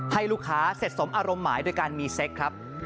ให้ลูกค้าเสร็จสมอารมณ์หมายโดยการมีเซ็กครับ